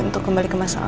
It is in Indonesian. untuk kembali ke masa lalu